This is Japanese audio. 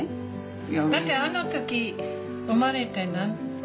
だってあの時生まれて。